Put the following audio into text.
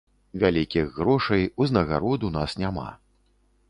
Вялікіх грошай, узнагарод у нас няма.